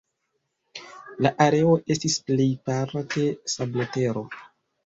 La areo estis plejparte sablotero.